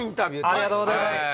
ありがとうございます。